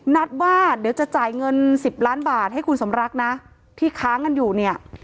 นัดว่าเดี๋ยวจะจ่ายเงิน๑๐ล้านบาทให้คุณสมรักนะที่ค้างกันอยู่เนี่ย